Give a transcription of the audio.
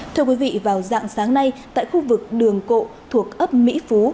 thưa quý vị vào dạng sáng nay tại khu vực đường cộ thuộc ấp mỹ phú